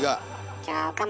じゃあ岡村